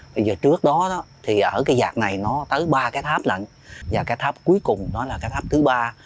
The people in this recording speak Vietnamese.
bây giờ trước đó thì ở cái giạc này nó tới ba cái tháp lận và cái tháp cuối cùng đó là cái tháp thứ ba